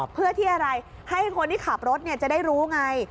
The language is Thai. เพื่อที่อะไรให้คนที่ขับรถจะได้รู้ไง